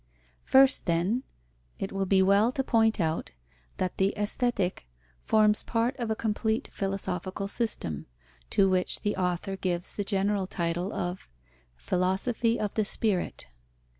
First, then, it will be well to point out that the Aesthetic forms part of a complete philosophical system, to which the author gives the general title of "Philosophy of the Spirit."